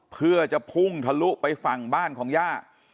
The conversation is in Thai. เพื่อจะพุ่งทะลุไปฝั่งบ้านของย่า